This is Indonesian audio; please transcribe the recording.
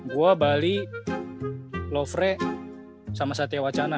gue bali lufre sama satewacana